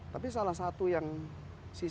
tapi salah satu yang sisi